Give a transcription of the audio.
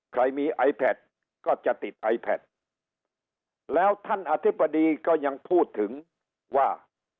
ใครมีไอแพทก็จะติดไอแพทแล้วท่านอธิบดีก็ยังพูดถึงว่า